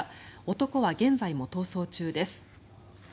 男は現在も逃走中です。